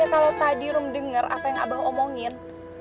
ya kalo tadi rum denger apa yang abah omongin